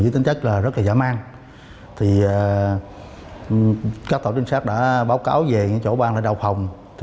trinh sát đã báo cáo về chỗ ban là đào phòng